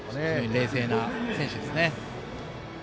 冷静な選手ですね。